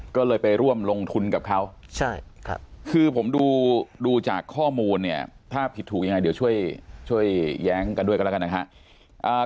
ก็เลยไปร่วมลงทุนกับเขาคือผมดูจากข้อมูลเนี่ยถ้าผิดถูกยังไงเดี๋ยวช่วยแย้งกันด้วยกันแล้วกันนะครับ